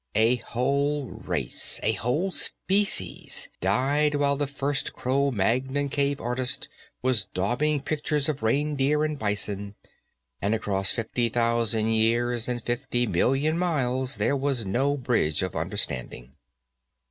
A whole race, a whole species, died while the first Crò Magnon cave artist was daubing pictures of reindeer and bison, and across fifty thousand years and fifty million miles there was no bridge of understanding.